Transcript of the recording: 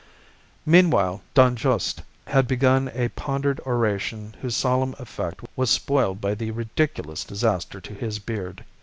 "Meanwhile, Don Juste had begun a pondered oration whose solemn effect was spoiled by the ridiculous disaster to his beard.